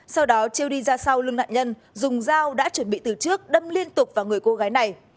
sau đó treo đi ra sau lưng nạn nhân dùng dao đã chuẩn bị từ trước đâm liên tục vào người cô gái này